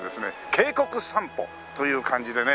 渓谷散歩という感じでね。